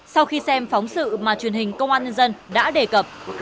sau khi xem phóng sự mà truyền hình công an nhân dân đã đề cập